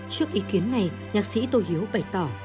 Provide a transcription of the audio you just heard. trước ý kiến này nhạc sĩ tô hiếu bày tỏ